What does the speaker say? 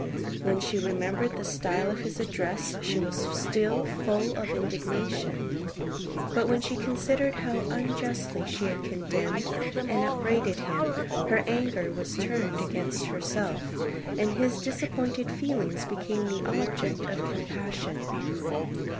When she remembered the style of his address, she was still full of indignation: but when she considered how unjustly she had condemned and upbraided him, her anger was turned against herself; and his disappointed feelings became the object of compassion.